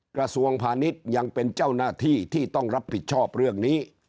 กระทรวงพาณิชย์ยังเป็นเจ้าหน้าที่ที่ต้องรับผิดชอบเรื่องนี้